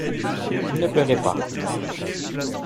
Ne pleurez pas.